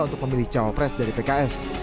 untuk memilih cawapres dari pks